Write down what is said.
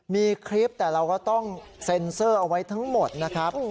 มีคลิปแต่เราก็ต้องเซ็นเซอร์เอาไว้ทั้งหมดนะครับ